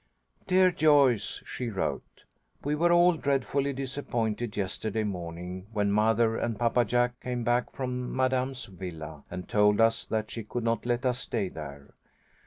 "Dear Joyce," she wrote. "We were all dreadfully disappointed yesterday morning when mother and Papa Jack came back from Madame's villa, and told us that she could not let us stay there.